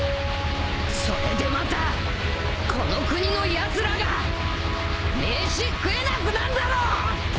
それでまたこの国のやつらが飯食えなくなんだろ！